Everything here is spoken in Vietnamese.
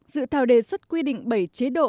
dự thảo đề xuất quy định bảy chế độ